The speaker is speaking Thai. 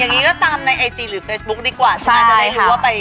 อย่างนี้ก็ตามในไอจีหรือเฟสบุ๊คดีกว่า